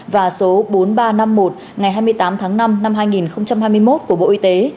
và số bốn nghìn ba trăm năm mươi một ngày hai mươi tám tháng năm năm hai nghìn hai mươi một của bộ y tế